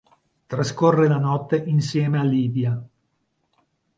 Trascorre la notte insieme a Livia.